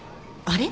あれ？